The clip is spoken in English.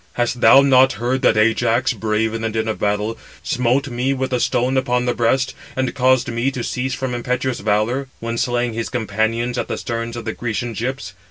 Hast thou not heard that Ajax, brave in the din of battle, smote me with a stone upon the breast, and caused me to cease from impetuous valour, when slaying his companions at the sterns of the Grecian ships?